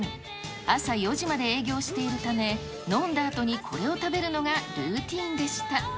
朝４時まで営業しているため、飲んだあとにこれを食べるのがルーティーンでした。